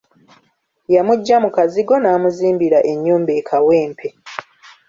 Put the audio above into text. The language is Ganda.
Yamuggya mu kazigo n'amuzimbira ennyumba e Kawempe.